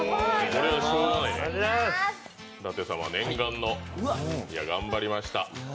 舘様念願の、いや、頑張りました。